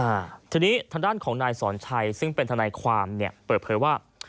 อ่าทีนี้ทางด้านของนายสอนชัยซึ่งเป็นทนายความเนี่ยเปิดเผยว่า